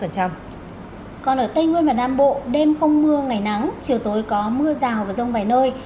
còn ở tây nguyên và nam bộ đêm không mưa ngày nắng chiều tối có mưa rào và rông vài nơi